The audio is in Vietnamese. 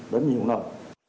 đến nhiều nơi